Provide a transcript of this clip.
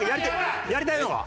やりたいのが？